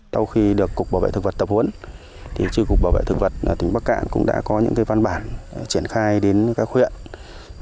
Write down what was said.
sau khi được cục bảo vệ thực vật tập huấn thì trường cục bảo vệ thực vật ở tỉnh bắc cản cũng đã có những văn bản triển khai đến các huyện